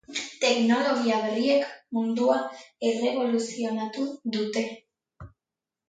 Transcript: Teknologia berriek mundua erreboluzionatu dute.